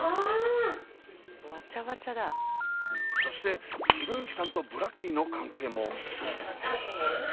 そして博之さんとブラッキーの関係も。